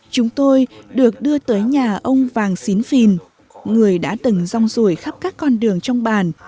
chúng tôi được đưa tới nhà ông vàng xín phìn người đã từng rong rủi khắp các con đường trong bàn